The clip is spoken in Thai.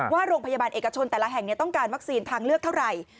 ว่าโรงพยาบาลเอกชนแต่ละแห่งต้องการวัคซีนทางเลือกเท่าไหร่